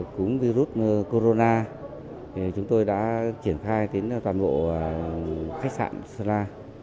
cúm virus corona chúng tôi đã triển khai đến toàn bộ khách sạn sơn la